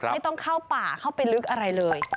ไม่ต้องเข้าป่าเข้าไปลึกอะไรเลย